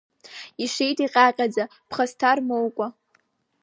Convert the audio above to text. Ишеит иҟьаҟьаӡа ԥхасҭа рмоукәа.